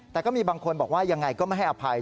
แต่ก็มีบางคนบอกว่ายังไงก็ไม่ให้อภัย